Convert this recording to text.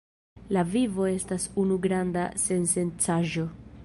La vivo estas unu granda sensencaĵo.